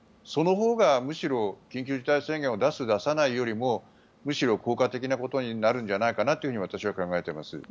そのほうがむしろ緊急事態宣言を出す出さないよりもむしろ効果的なことになるんじゃないかなと私は考えています。